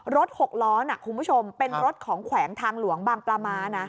หกล้อคุณผู้ชมเป็นรถของแขวงทางหลวงบางปลาม้านะ